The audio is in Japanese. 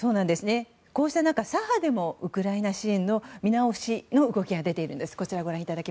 こうした中、左派でもウクライナ支援の見直しの動きが出ているんです。